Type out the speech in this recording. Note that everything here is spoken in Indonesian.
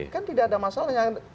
kan tidak ada masalah